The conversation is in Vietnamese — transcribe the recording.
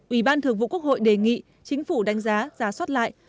ủy ban thường vụ quốc hội đề nghị chính phủ đánh giá giá soát lại